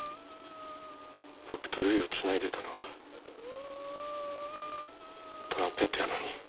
僕とるいをつないでたのはトランペットやのに。